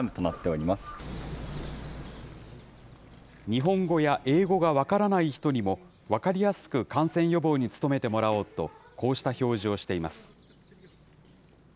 日本語や英語が分からない人にも、分かりやすく感染予防に努めてもらおうと、こうした表示をしています。